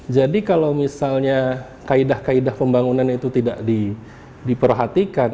jadi kalau misalnya kaedah kaedah pembangunan itu tidak diperhatikan